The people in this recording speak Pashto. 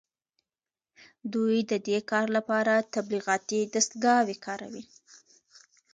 دوی د دې کار لپاره تبلیغاتي دستګاوې کاروي